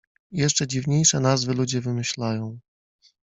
Jeszcze dziwniejsze nazwy ludzie wymyślają